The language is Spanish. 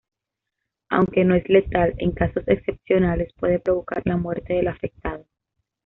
Aunque no es letal, en casos excepcionales puede provocar la muerte del afectado.